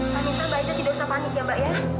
mbak paniknya mbak aida tidak usah panik ya mbak ya